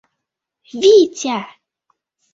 Витя!